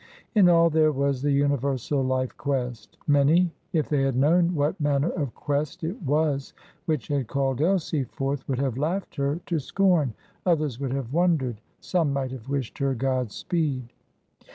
In all there was the universal life quest. Many, if they had known what manner of quest it was which had called Elsie forth, would have laughed her to scorn; others would have wondered; some might have wished her God speed.